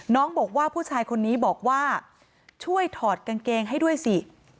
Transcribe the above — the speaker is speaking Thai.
น้องบอกว่าผู้ชายคนนี้บอกว่าช่วยถอดกางเกงให้ด้วยสิ